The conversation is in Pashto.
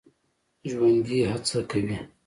ژوندي هڅه کوي